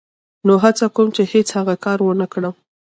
نو هڅه کوم چې هېڅ هغه کار و نه کړم.